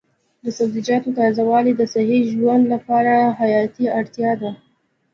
د سبزیجاتو تازه والي د صحي ژوند لپاره حیاتي اړتیا ده.